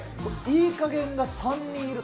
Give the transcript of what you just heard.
いいかげんが３人いる。